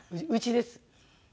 うちです。